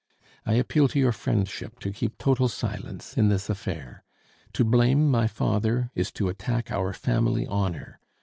I appeal to your friendship to keep total silence in this affair. To blame my father is to attack our family honor.